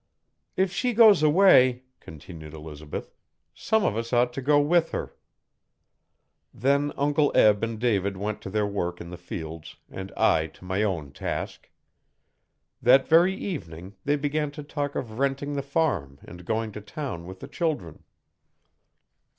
'If she goes away,' continued Elizabeth, 'some of us ought t' go with her.' Then Uncle Eb and David went to their work in the fields and I to my own task That very evening they began to talk of renting the farm and going to town with the children.